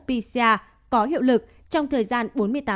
pcr có hiệu lực trong thời gian bốn mươi tám